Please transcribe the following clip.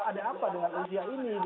ada apa dengan usia ini